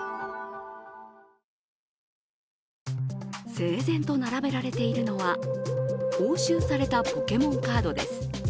整然と並べられているのは押収されたポケモンカードです。